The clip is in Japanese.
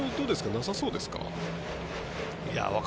なさそうですか？